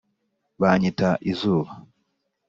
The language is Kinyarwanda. banyita izuba.